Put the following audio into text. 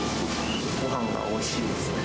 ごはんがおいしいですね。